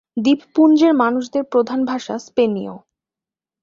দ্বীপপুঞ্জের মানুষদের প্রধান ভাষা স্পেনীয়।